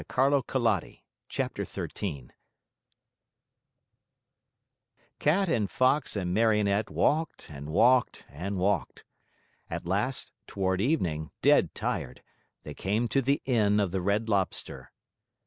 CHAPTER 13 The Inn of the Red Lobster Cat and Fox and Marionette walked and walked and walked. At last, toward evening, dead tired, they came to the Inn of the Red Lobster.